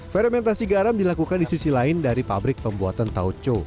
fermentasi garam dilakukan di sisi lain dari pabrik pembuatan tauco